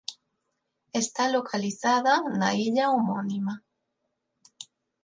Está localizada na illa homónima.